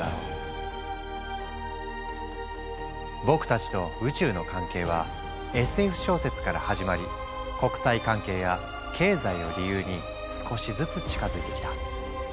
僕たちと宇宙の関係はＳＦ小説から始まり国際関係や経済を理由に少しずつ近づいてきた。